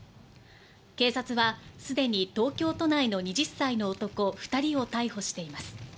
警察はすでに東京都内の２０歳の男２人を逮捕しています。